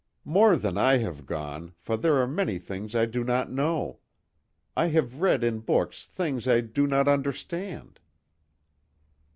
_ More than I have gone, for there are many things I do not know. I have read in books things I do not understand."